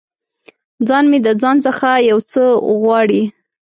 ځان مې د ځان څخه یو څه غواړي